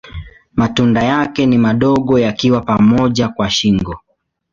Matunda yake ni madogo yakiwa pamoja kwa shingo.